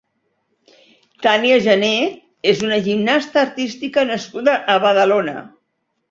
Tania Gener és una gimnasta artística nascuda a Badalona.